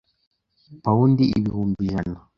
pound ibihumbi ijana